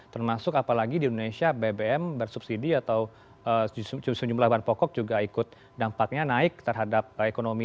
termasuk apalagi di indonesia bbm bersubsidi atau sejumlah bahan pokok juga ikut dampaknya naik terhadap ekonomi